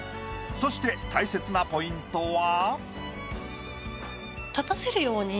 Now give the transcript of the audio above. そして大切なポイントは。